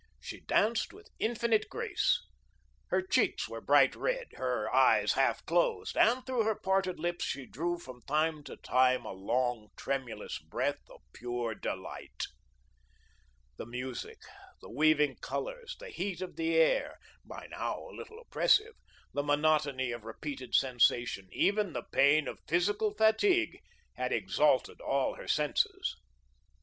She danced with infinite grace. Her cheeks were bright red, her eyes half closed, and through her parted lips she drew from time to time a long, tremulous breath of pure delight. The music, the weaving colours, the heat of the air, by now a little oppressive, the monotony of repeated sensation, even the pain of physical fatigue had exalted all her senses.